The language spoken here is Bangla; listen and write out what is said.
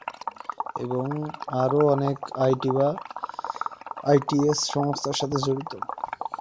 এবং আরও অনেক আইটি/আইটিইএস সংস্থার সাথে জড়িত।